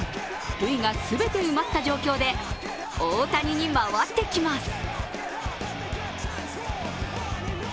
塁が全て埋まった状況で大谷に回ってきます。